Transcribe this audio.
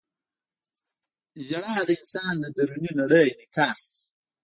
• ژړا د انسان د دروني نړۍ انعکاس دی.